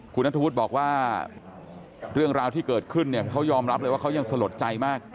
คุณนัทธวุฒิบอกว่าเรื่องราวที่เกิดขึ้นเนี่ยเขายอมรับเลยว่าเขายังสลดใจมาก